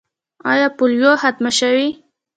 آیا پولیو ختمه شوې؟